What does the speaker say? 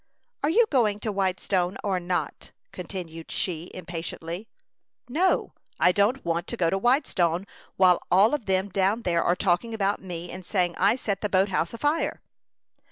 "Are you going to Whitestone, or not?" continued she, impatiently. "No; I don't want to go to Whitestone, while all of them down there are talking about me, and saying I set the boat house afire."